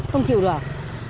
không chịu được